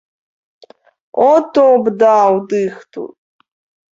О то б даў дыхту!